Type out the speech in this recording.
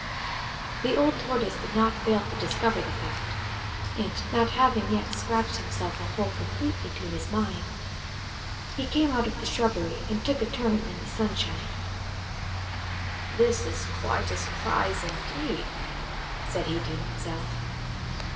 The old Tortoise did not fail to discover the fact; and not having yet scratched himself a hole completely to his mind, he came out of the shrubbery and took a turn in the sunshine. "This is quite a surprise, indeed," said he to himself.